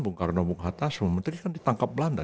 bung karno bung hatta semua menteri kan ditangkap belanda